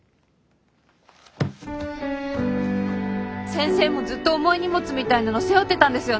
先生もずっと重い荷物みたいなの背負ってたんですよね？